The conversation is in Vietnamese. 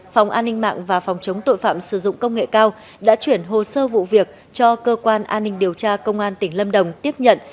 phòng an ninh mạng và phòng chống tội phạm sử dụng công nghệ cao đã chuyển hồ sơ vụ việc cho cơ quan an ninh điều tra công an tỉnh lâm đồng tiếp nhận